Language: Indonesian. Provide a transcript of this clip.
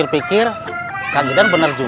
lebih lebih olpaka sih